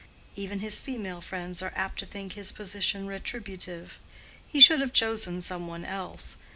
Even his female friends are apt to think his position retributive: he should have chosen some one else.